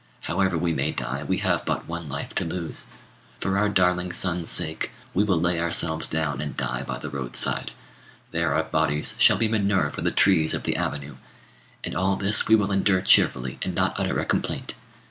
However we may die, we have but one life to lose. For our darling son's sake, we will lay ourselves down and die by the roadside. There our bodies shall be manure for the trees of the avenue. And all this we will endure cheerfully, and not utter a complaint.